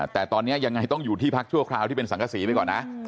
แต่ตอนนี้ยังไงต้องอยู่ที่พักชั่วคราวที่เป็นสังกษีไปก่อนนะ